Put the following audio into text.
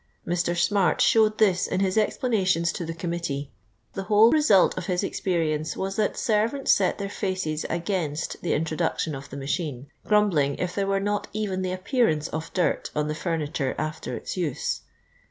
Mr. Smart showed this in his explanations to the Committee. The whole result of his experience was that servants set their faces against the introduction of the machine, grumbling if there were not even the appearance of dirt on the furniture after its use.